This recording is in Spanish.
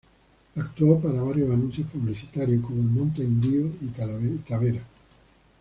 Actuó para varios anuncios publicitarios como en "Mountain" Dew y "Tavera".